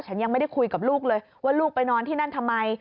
ฉันยังไม่ได้คุยกับลูกเลยว่าลูกไปนอนที่นั่นทำไม